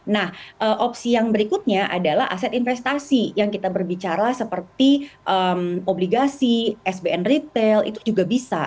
nah opsi yang berikutnya adalah aset investasi yang kita berbicara seperti obligasi sbn retail itu juga bisa